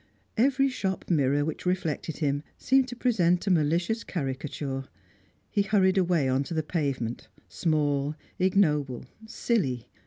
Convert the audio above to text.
Every shop mirror which reflected him seemed to present a malicious caricature; he hurried away on to the pavement, small, ignoble, silly.